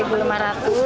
itu yang bantu